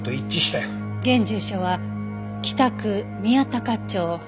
現住所は北区宮高町。